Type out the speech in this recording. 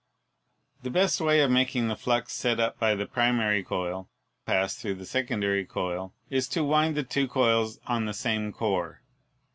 The best way of making the flux set up by the primary coil pass through the secondary coil is to wind the two coils on the same core.